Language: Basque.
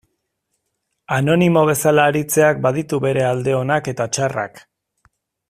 Anonimo bezala aritzeak baditu bere alde onak eta txarrak.